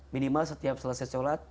minimal setiap selesai sholat